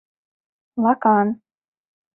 — Лакан...